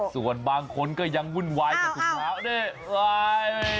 ส่วนบางคนก็ยังวุ่นวายกับถุงเท้านี่อะไร